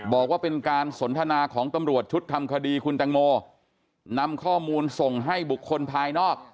บอกว่าเป็นการสนทนาของตำรวจชุดทำคดีคุณตังโมนำข้อมูลส่งให้บุคคลภายนอก